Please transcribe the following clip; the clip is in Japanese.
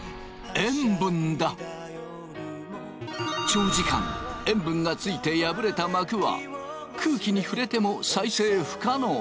長時間塩分がついて破れた膜は空気に触れても再生不可能。